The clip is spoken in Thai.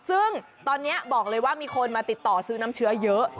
ซึ่งตอนนี้บอกเลยว่ามีคนมาติดต่อซื้อน้ำเชื้อเยอะ